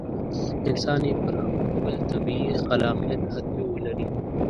انسان یې پر خپل طبیعي خلاقیت حتمي ولري.